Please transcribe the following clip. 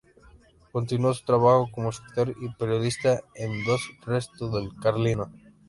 Continuó su trabajo como escritor y periodista en "Il Resto del Carlino".